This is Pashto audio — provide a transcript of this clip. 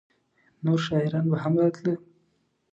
نور شاعران به هم راتله؟